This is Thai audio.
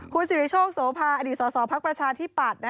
คุณสิริโชคโสภาอดีตสสพักประชาธิปัตย์